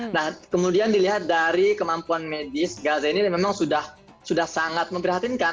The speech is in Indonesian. nah kemudian dilihat dari kemampuan medis gaza ini memang sudah sangat memprihatinkan